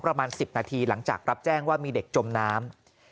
ประมาณ๑๐นาทีหลังจากรับแจ้งว่ามีเด็กจมน้ำ